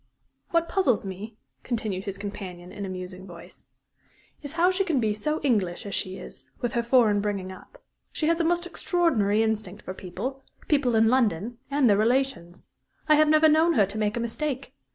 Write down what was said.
"What puzzles me," continued his companion, in a musing voice, "is how she can be so English as she is with her foreign bringing up. She has a most extraordinary instinct for people people in London and their relations. I have never known her make a mistake.